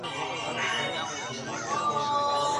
هر څوک بايد د خپل ژوند ملګری په خپله خوښه وټاکي.